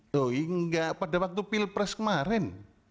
tuh hingga pada waktu pilpres kemarin